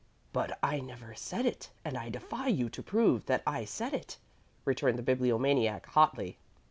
"But I never said it, and I defy you to prove that I said it," returned the Bibliomaniac, hotly.